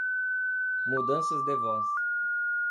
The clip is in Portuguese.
Mudanças de voz